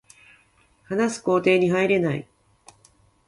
話す工程に入れない